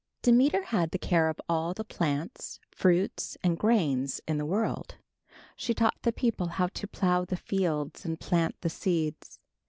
Demeter had the care of all the plants, fruits and grains in the world. She taught the people how to plow the fields and plant the seeds.